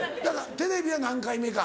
テレビは何回目か？